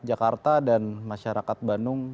jakarta dan masyarakat banung